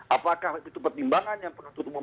apakah itu pertimbangan yang penuntut umum